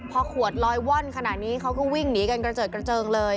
ผู้หวั่นขนาดนี้เขาก็วิ่งหนีกันเจิดเลย